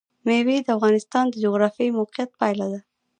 مېوې د افغانستان د جغرافیایي موقیعت پایله ده.